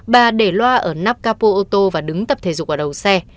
bà để loa ở nắp capo ô tô và đứng tập thể dục ở đầu xe